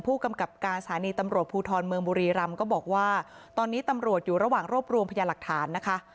ผู้กำกับการสถานีตำรวจภูทรเมืองบุรีรำก็บอกว่าตอนนี้ตำรวจอยู่ระหว่างรวบรวมพยาหลักฐานนะคะ